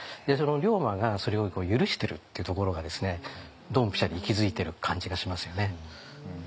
龍馬がそれを許してるっていうところがドンピシャリ息づいてる感じがしますよね。